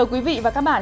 quý vị và các bạn